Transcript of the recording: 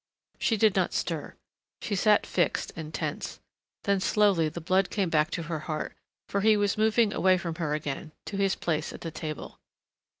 She did not stir. She sat fixed and tense. Then slowly the blood came back to her heart, for he was moving away from her again to his place at the table.